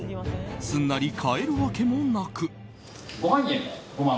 すんなり買えるわけもなく。